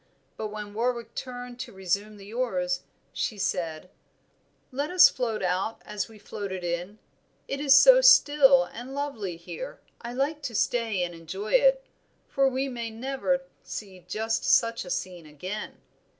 But when Warwick turned to resume the oars, she said "Let us float out as we floated in. It is so still and lovely here I like to stay and enjoy it, for we may never see just such a scene again."